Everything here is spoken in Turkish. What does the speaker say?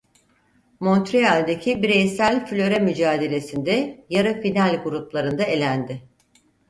Montreal'deki bireysel flöre mücadelesinde yarı final gruplarında elendi.